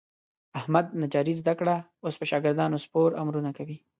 احمد نجاري زده کړه. اوس په شاګردانو سپور امرونه کوي.